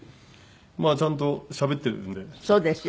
まあちゃんとしゃべってるので。